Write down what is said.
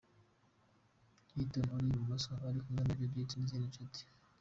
Hilton uri ibumoso ari kumwe na Judithe n’izindi nshuti.